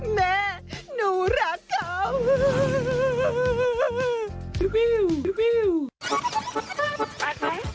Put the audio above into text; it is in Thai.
แม่หนูรักเขา